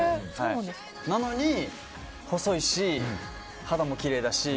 なのに、細いし肌もきれいだし。